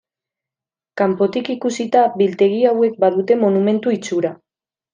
Kanpotik ikusita biltegi hauek badute monumentu itxura.